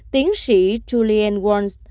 tiến sĩ julianne warnes